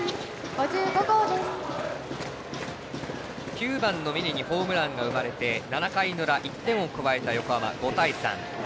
９番の峯にホームランが生まれて７回の裏、１点を加えた横浜５対３。